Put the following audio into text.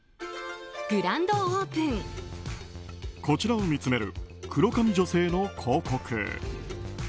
こちらを見つめる黒髪女性の広告。